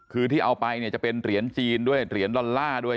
คือที่เอาไปเนี่ยจะเป็นเหรียญจีนด้วยเหรียญดอลลาร์ด้วย